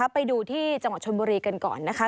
ไปดูที่จังหวัดชนบุรีกันก่อนนะคะ